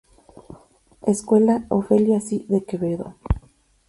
Escuela Ofelia C. de Acevedo.